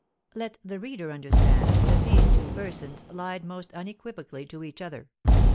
Let the reader understand that these two persons lied most unequivocally to each other.